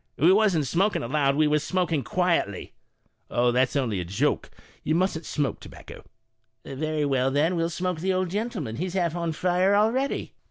" We wasn't smoking aloud, we was smoking quietly." Porter. " Oh, that's only a joke, you mustn't smoke tobacco. Young Man. " Yery well, then we'll smoke the old gentleman; he's half on fire already."